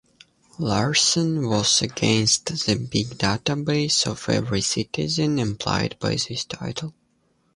Larsen was against the big database of every citizen, implied by this title.